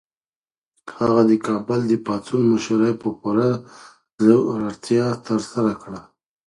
هغه د کابل د پاڅون مشري په پوره زړورتیا ترسره کړه.